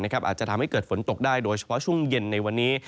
อาจจะทำให้เกิดฝนตกได้โดยเฉพาะช่วงเย็นในวันนี้